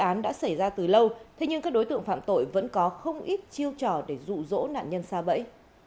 nạn nhân đã xảy ra từ lâu thế nhưng các đối tượng phạm tội vẫn có không ít chiêu trò để rủ rỗ nạn nhân xa bẫy